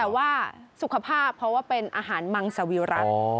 แต่ว่าสุขภาพเพราะว่าเป็นอาหารมังสวิรัติ